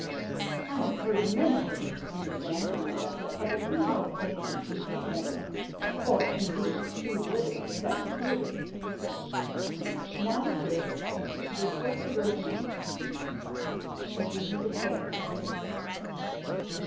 "I have heard many things in Byzantium, Augusta, but I pay no attention to any of them or, indeed, to little except my duty." "Now that this, this what's the girl's name?" "Iduna the Fair," I said.